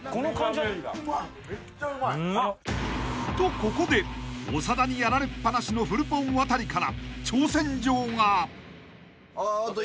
［とここで長田にやられっぱなしのフルポン亘から挑戦状が］